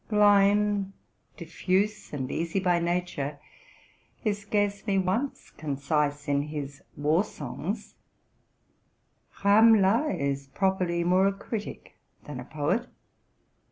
Gleim, 224 TRUTH AND FICTION diffuse and easy by nature, is scarcely once concise in his war songs. Ramler is properly more a critic than a poet.